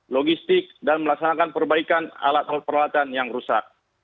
logistik dan melaksanakan perbaikan alat alat peralatan yang rusak